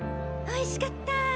おいしかった。